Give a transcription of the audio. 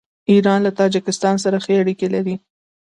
ایران له تاجکستان سره ښې اړیکې لري.